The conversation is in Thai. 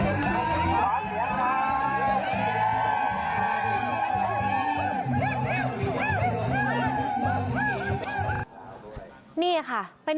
สวัสดีครับทุกคน